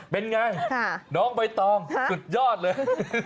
เป็นอย่างไรน้องไปตองสุดยอดเลย